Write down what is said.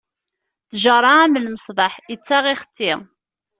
Ttjaṛa am lmesbeḥ, ittaɣ, ixetti.